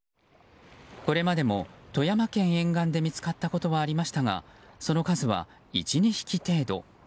これまでも富山県沿岸で見つかったことはありましたがその数は１２匹程度。